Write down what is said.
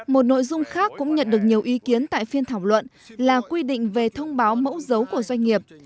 một nội dung khác cũng nhận được nhiều ý kiến tại phiên thảo luận là quy định về thông báo mẫu dấu của doanh nghiệp